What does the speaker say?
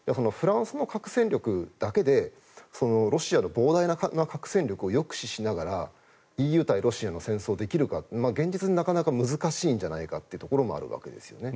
フランスの核戦力だけでロシアの膨大な核戦力を抑止しながらＥＵ対ロシアの戦争できるか現実、なかなか難しいんじゃないかというところもあるわけです。